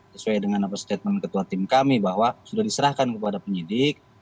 sesuai dengan apa statement ketua tim kami bahwa sudah diserahkan kepada penyidik